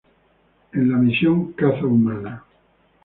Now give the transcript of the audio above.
En la misión "Caza Humana".